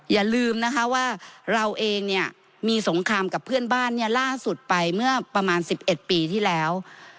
อย่าลืมนะคะว่าเราเองเนี่ยมีสงครามกับเพื่อนบ้านเนี่ยล่าสุดไปเมื่อประมาณ๑๑ปีที่แล้ว